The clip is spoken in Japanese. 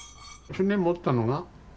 船持ったのが？